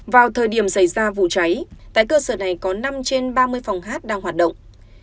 vào thời điểm xảy ra vụ cháy tại cơ sở này có năm trên ba mươi phòng hát đang hoạt động